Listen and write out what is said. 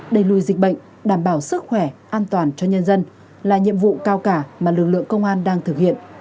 đẩy lùi dịch bệnh đảm bảo sức khỏe an toàn cho nhân dân là nhiệm vụ cao cả mà lực lượng công an đang thực hiện